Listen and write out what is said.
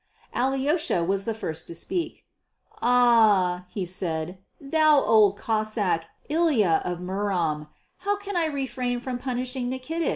Alyosha was the first to speak. "Ah," he said, "thou Old Cossáck, Ilya of Murom, how could I refrain from punishing Nikitich?